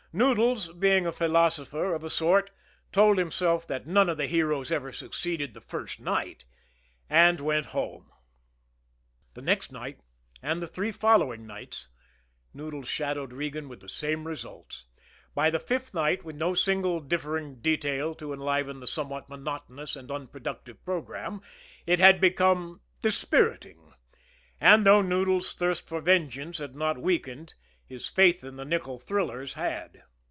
Noodles, being a philosopher of a sort, told himself that none of the heroes ever succeeded the first night and went home. The next night, and the three following night, Noodles shadowed Regan with the same results. By the fifth night, with no single differing detail to enliven this somewhat monotonous and unproductive programme, it had become dispiriting; and though Noodles' thirst for vengeance had not weakened, his faith in the nickel thrillers had.